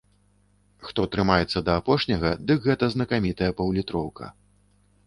Хто трымаецца да апошняга, дык гэта знакамітая паўлітроўка.